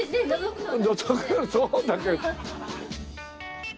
そうだけど。